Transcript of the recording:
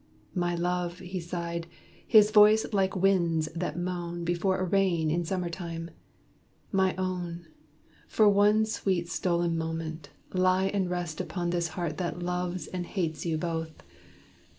"My love," he sighed, his voice like winds that moan Before a rain in Summer time, "My own, For one sweet stolen moment, lie and rest Upon this heart that loves and hates you both!